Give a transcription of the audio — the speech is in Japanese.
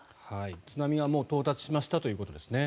津波はもう到達しましたということですね。